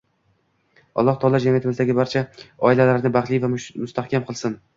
Alloh taolo jamiyatimizdagi barcha oilalarni baxtli va mustahkam qilsin!